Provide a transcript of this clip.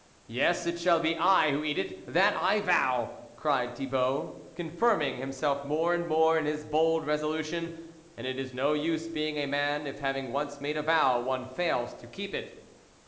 Yes, it shall be I who eat it, that I vow !" cried Thibault, con firming himself more and more in his bold resolution, and it is no use being a man if having once made a vow, one fails to keep it.